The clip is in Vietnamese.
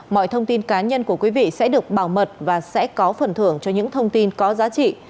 mọi thông tin cá nhân của quý vị sẽ được bảo mật và sẽ có phần thưởng cho những thông tin có giá trị